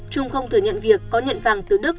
trung không thừa nhận việc có nhận vàng từ đức